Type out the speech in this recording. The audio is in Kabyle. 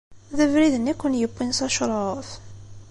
D abrid-nni i ken-yewwin s acṛuf?